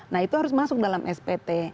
nah itu harus masuk dalam spt